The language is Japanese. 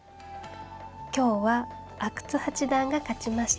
今日は阿久津八段が勝ちまして